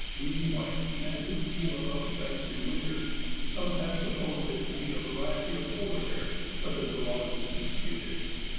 Being white and a good deal about the ice in winter, some have supposed it to be a variety of polar bear, but the zoologists dispute it.